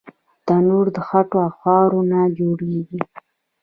تنور د خټو او خاورو نه جوړېږي